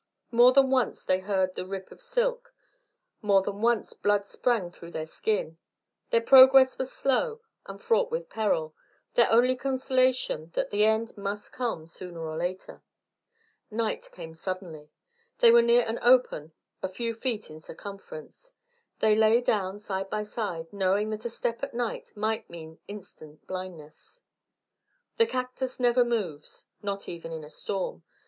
More than once they heard the rip of silk, more than once blood sprang through their skin. Their progress was slow and fraught with peril, their only consolation that the end must come sooner or later. Night came suddenly. They were near an open a few feet in circumference. They lay down side by side, knowing that a step at night might mean instant blindness. The cactus never moves, not even in a storm.